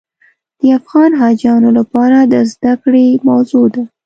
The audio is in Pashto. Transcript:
د افغان حاجیانو لپاره د زده کړې موضوع ده.